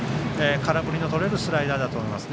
空振りのとれるスライダーだと思います。